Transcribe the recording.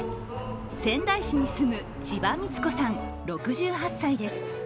仙台市に住む千葉美津子さん６８歳です。